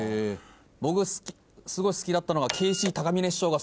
僕すごい好きだったのがケーシー高峰師匠が。